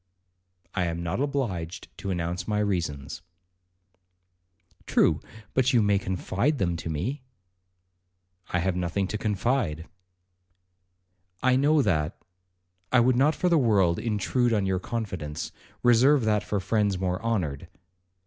'I am not obliged to announce my reasons.' 'True, but you may confide them to me.' 'I have nothing to confide.' 'I know that,—I would not for the world intrude on your confidence; reserve that for friends more honoured.'